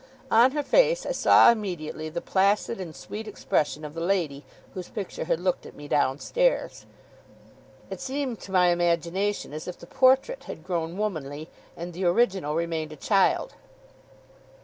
On her face, I saw immediately the placid and sweet expression of the lady whose picture had looked at me downstairs. It seemed to my imagination as if the portrait had grown womanly, and the original remained a child.